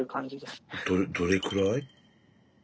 どれくらい？